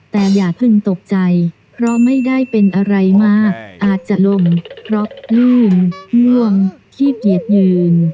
แต่อย่าเพิ่งตกใจเพราะไม่ได้เป็นอะไรมากอาจจะลมเพราะลื่นง่วงขี้เกียจยืน